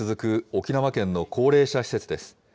沖縄県の高齢者施設です。